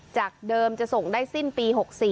จากเดิมจะส่งได้สิ้นปี๖๔